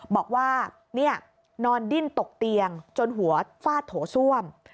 บอกว่านอนดิ้นตกเตียงจนหัวฟาดโถส้วม